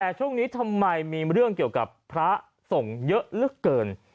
แต่ช่วงนี้ทำไมมีเรื่องเกี่ยวกับพระส่งเยอะเหลือเกิน